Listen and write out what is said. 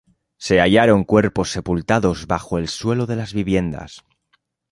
Se hallaron cuerpos sepultados bajo el suelo de las viviendas.